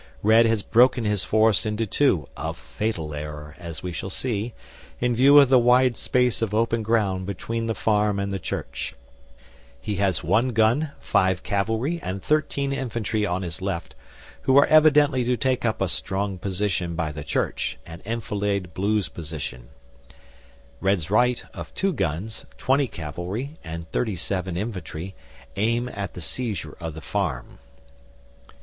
Red has broken his force into two, a fatal error, as we shall see, in view of the wide space of open ground between the farm and the church. He has 1 gun, 5 cavalry, and 13 infantry on his left, who are evidently to take up a strong position by the church and enfilade Blue's position; Red's right, of 2 guns, 20 cavalry, and 37 infantry aim at the seizure of the farm.